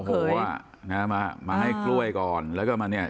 เกยเป็นนับมามาให้กล้วยก่อนแล้วก็มาเนี่ย